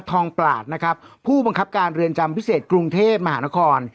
ปราศนะครับผู้บังคับการเรือนจำพิเศษกรุงเทพมหานคร